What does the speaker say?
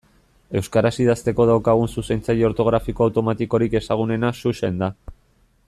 Euskaraz idazteko daukagun zuzentzaile ortografiko automatikorik ezagunena Xuxen da.